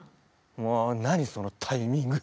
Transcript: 「もう何そのタイミング！」